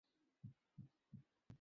তারপর এটা পেছনে টানলেই গুলি বের হবে।